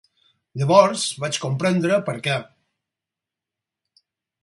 Llavors vaig comprendre per què